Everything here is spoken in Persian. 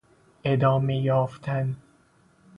ادامه یافتن